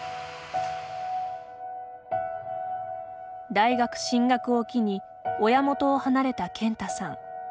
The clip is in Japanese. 大学進学を機に親元を離れた健太さん。